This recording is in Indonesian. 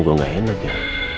gue gak enak ya